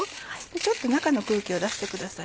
ちょっと中の空気を出してください。